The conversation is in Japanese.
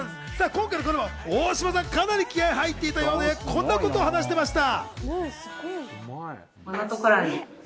今回のコラボ、大島さんはかなり気合いが入っていたようで、こんな話をしていました。